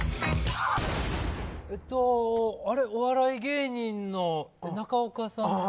あれ、お笑い芸人の中岡さん？